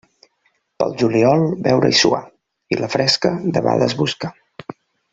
Pel juliol, beure i suar, i la fresca debades buscar.